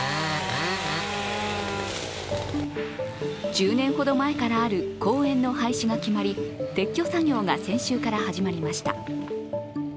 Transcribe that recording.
１０年ほど前からある公園の廃止が決まり撤去作業が先週から始まりました。